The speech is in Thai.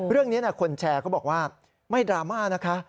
เรื่องนี้คนแชร์ก็บอกว่าไม่ดราม่านะคะ